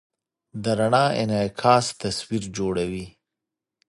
د رڼا انعکاس تصویر جوړوي.